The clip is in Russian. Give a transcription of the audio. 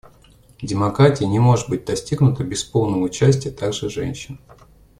Демократия не может быть достигнута без полного участия также женщин.